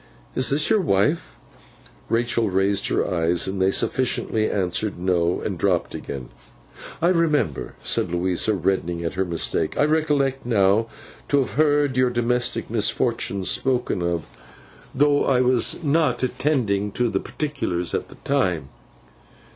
Is this your wife?' Rachael raised her eyes, and they sufficiently answered no, and dropped again. 'I remember,' said Louisa, reddening at her mistake; 'I recollect, now, to have heard your domestic misfortunes spoken of, though I was not attending to the particulars at the time.